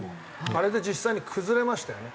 あれで実際に崩れましたよね